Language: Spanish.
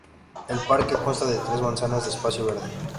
El Parque consta de tres manzanas de espacio verde.